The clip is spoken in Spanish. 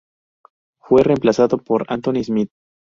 Fue reemplazado por Anthony Smith.